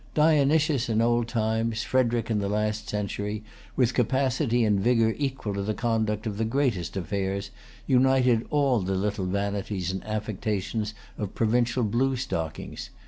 Dionysius in old times, Frederic in the last century, with capacity and vigor equal to the conduct of the greatest affairs, united all the little vanities and affectations of provincial blue stockings.